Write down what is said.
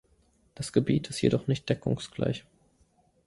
Das Gebiet ist jedoch nicht deckungsgleich.